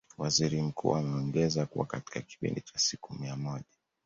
Waziri Mkuu ameongeza kuwa katika kipindi cha siku mia moja